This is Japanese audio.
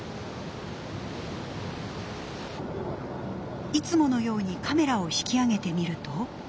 いつものようにカメラを引き上げてみると。